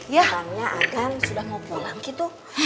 makanya agan sudah mau pulang gitu